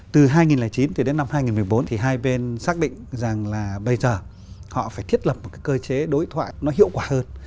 từ hai nghìn chín thì đến năm hai nghìn một mươi bốn thì hai bên xác định rằng là bây giờ họ phải thiết lập một cái cơ chế đối thoại nó hiệu quả hơn